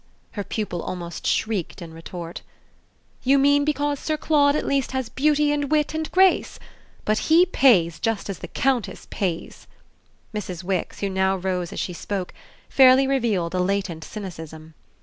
her pupil almost shrieked in retort. "You mean because Sir Claude at least has beauty and wit and grace? But he pays just as the Countess pays!" Mrs. Wix, who now rose as she spoke, fairly revealed a latent cynicism.